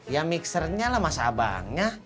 ya mixernya lah mas abangnya